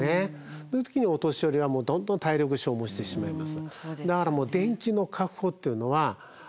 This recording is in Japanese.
そういう時にお年寄りはどんどん体力消耗してしまいます。